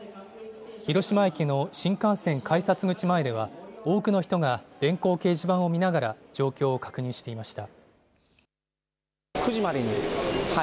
広島駅の新幹線改札口前では、多くの人が電光掲示板を見ながら状況を確認していました。